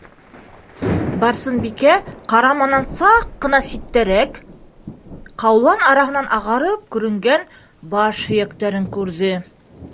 - Барсынбикә ҡараманан саҡ ҡына ситтәрәк, ҡаулан араһынан ағарып күренгән баш һөйәктәрен күрҙе.